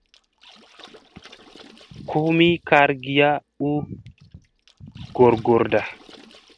Kom mi kargiya u goorgoorda.